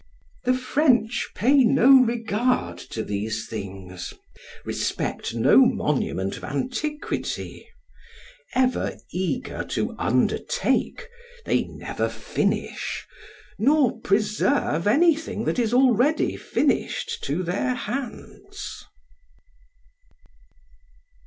The French pay no regard to these things, respect no monument of antiquity; ever eager to undertake, they never finish, nor preserve anything that is already finished to their hands.